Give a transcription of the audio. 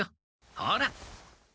ほら！